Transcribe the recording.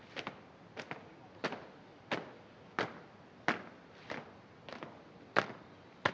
laporan komandan upacara kepada inspektur upacara